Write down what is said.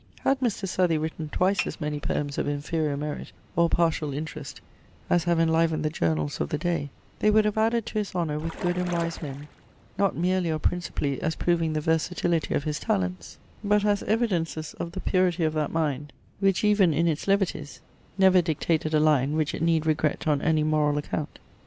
Had Mr. Southey written twice as many poems of inferior merit, or partial interest, as have enlivened the journals of the day, they would have added to his honour with good and wise men, not merely or principally as proving the versatility of his talents, but as evidences of the purity of that mind, which even in its levities never dictated a line which it need regret on any moral account.